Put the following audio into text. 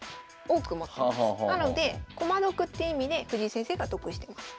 なので駒得って意味で藤井先生が得してます。